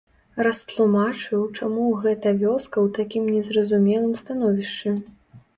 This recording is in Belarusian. Растлумачыў, чаму гэта вёска ў такім незразумелым становішчы.